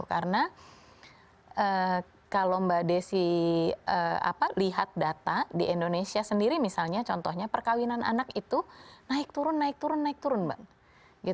karena kalau mbak desi lihat data di indonesia sendiri misalnya contohnya perkawinan anak itu naik turun naik turun naik turun mbak